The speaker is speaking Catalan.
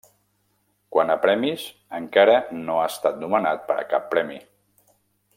Quant a premis, encara no ha estat nomenat per a cap premi.